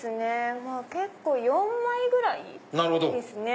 ４枚ぐらいですね。